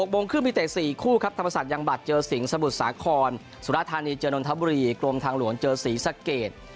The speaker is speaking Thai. โมงครึ่งมีเตะ๔คู่ครับธรรมศาสตร์ยังบัตรเจอสิงหมุทรสาครสุรธานีเจอนนทบุรีกรมทางหลวงเจอศรีสะเกด